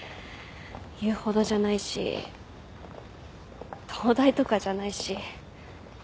言うほどじゃないし東大とかじゃないし。